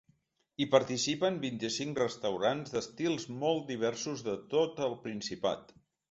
Hi participen vint-i-cinc restaurants d’estils molt diversos de tot el Principat.